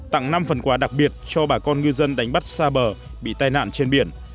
tặng năm phần quà đặc biệt cho bà con ngư dân đánh bắt xa bờ bị tai nạn trên biển